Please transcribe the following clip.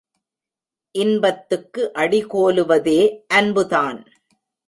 இன்பத்துக்கு அடிகோலுவதே அன்புதான்.